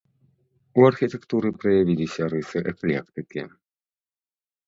У архітэктуры праявіліся рысы эклектыкі.